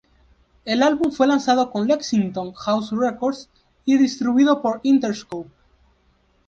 El álbum fue lanzado con Lexington House Records y distribuido por Interscope.